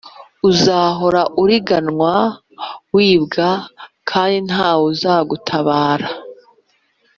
Uzahora uriganywa, wibwa kandi nta wuzagutabara.